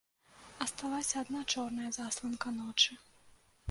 Асталася адна чорная засланка ночы.